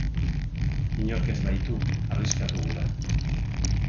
Inork ez baitu arriskatu gura.